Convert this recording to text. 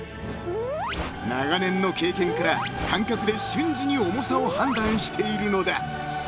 ［長年の経験から感覚で瞬時に重さを判断しているのだ］